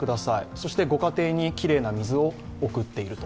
そしてご家庭にきれいな水を送っている。